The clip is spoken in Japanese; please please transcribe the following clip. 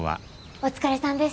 お疲れさんです。